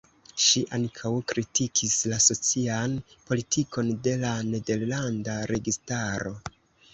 Ŝi ankau kritikis la socian politikon de la nederlanda registaro.